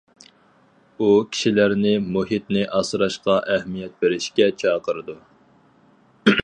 ئۇ كىشىلەرنى مۇھىتنى ئاسراشقا ئەھمىيەت بېرىشكە چاقىرىدۇ.